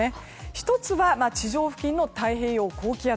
１つは地上付近の太平洋高気圧。